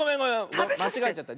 まちがえちゃった。